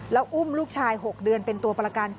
แล้วอุ้มลูกชาย๖เดือนเป็นตัวประกัน